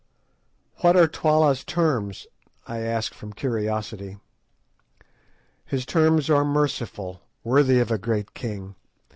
"What are Twala's terms?" I asked from curiosity. "His terms are merciful, worthy of a great king.